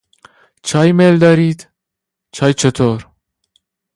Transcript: چای میل دارید؟، چای چطور؟